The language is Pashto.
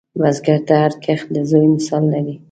بزګر ته هر کښت د زوی مثال لري